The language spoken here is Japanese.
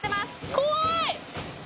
怖い